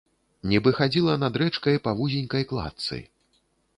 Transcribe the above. Нібы хадзіла над рэчкай па вузенькай кладцы.